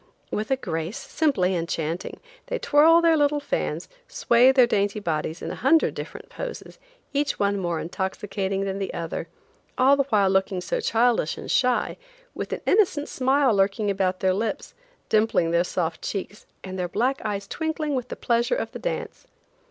With a grace, simply enchanting, they twirl their little fans, sway their dainty bodies in a hundred different poses, each one more intoxicating than the other, all the while looking so childish and shy, with an innocent smile lurking about their lips, dimpling their soft cheeks, and their black eyes twinkling with the pleasure of the dance.